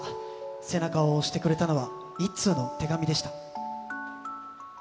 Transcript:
背中を押してくれたのは、１通の手紙でした。